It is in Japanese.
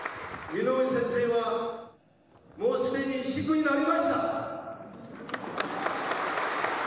井上先生はもうすでにシックになりました。